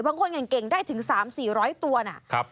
บางคนเก่งได้ถึง๓๔๐๐ตัวนะ